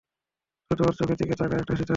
শুধু ওর চোখের দিকে তাকিয়ে একটা হাসি দাও।